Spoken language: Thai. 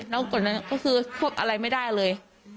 แล้วก็คือควบอะไรไม่ได้เลย